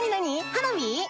花火？